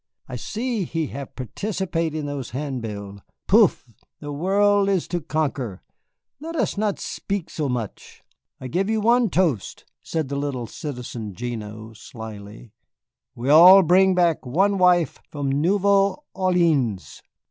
I see he have participate in those handbill. Poof, the world is to conquer, let us not spik so much." "I give you one toast," said the little Citizen Gignoux, slyly, "we all bring back one wife from Nouvelle Orléans!"